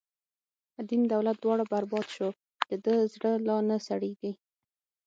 دین دولت دواړه بر باد شو، د ده زړه لا نه سړیږی